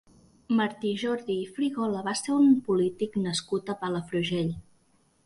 Martí Jordi i Frigola va ser un polític nascut a Palafrugell.